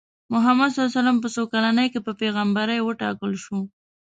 محمد ص په څو کلنۍ کې په پیغمبرۍ وټاکل شو؟